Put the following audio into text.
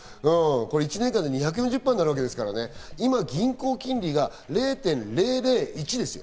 １年間で２４０％になるわけですから今、銀行金利が０．００１です。